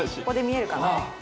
ここで見えるかな？